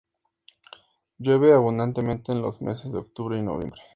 Llueve abundantemente en los meses de Octubre y Noviembre.